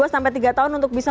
dua sampai tiga tahun untuk bisa